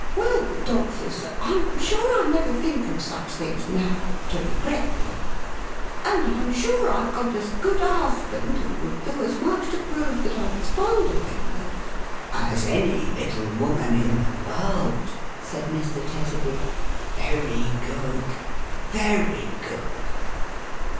" Well, 'Dolphus, I'm sure I never think of such things now, to regret them ; and I'm sure I've got as good a husband, and would do as much to prove that I was fond of him, as " "As any little woman in the world," said Mr. Tetterby. " VerJ g°0(l. Very good."